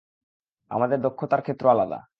আমাদের দক্ষতার ক্ষেত্র আলাদা।